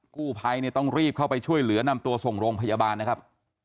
กู้ภัยเนี่ยต้องรีบเข้าไปช่วยเหลือนำตัวส่งโรงพยาบาลนะครับ